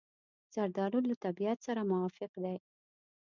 زردالو له طبیعت سره موافق دی.